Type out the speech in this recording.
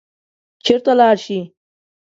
چېرته لاړ شي.